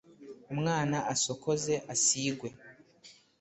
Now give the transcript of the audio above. Umwana asokoze asigwe